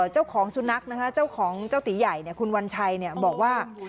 เจ้าของสุนัขนะคะเจ้าของเจ้าตีใหญ่คุณวัญชัยบอกว่า